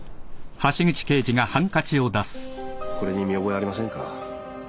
これに見覚えありませんか？